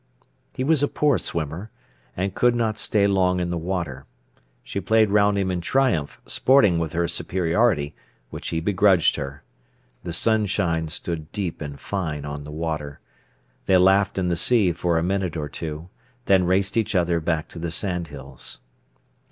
He was a poor swimmer, and could not stay long in the water. She played round him in triumph, sporting with her superiority, which he begrudged her. The sunshine stood deep and fine on the water. They laughed in the sea for a minute or two, then raced each other back to the sandhills.